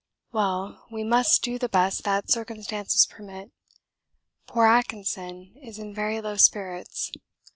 Well, we must do the best that circumstances permit. Poor Atkinson is in very low spirits.